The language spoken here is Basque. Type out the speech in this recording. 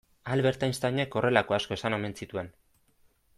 Albert Einsteinek horrelako asko esan omen zituen.